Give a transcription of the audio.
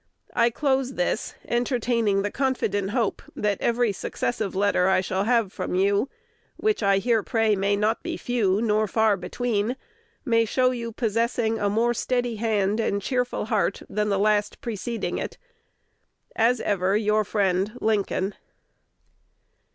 I close this, entertaining the confident hope that every successive letter I shall have from you (which I here pray may not be few, nor far between) may show you possessing a more steady hand and cheerful heart than the last preceding it. As ever, your friend, Lincoln.